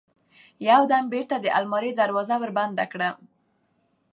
يو دم بېرته د المارى دروازه وربنده کړم.